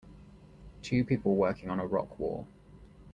Two people working on a rock wall.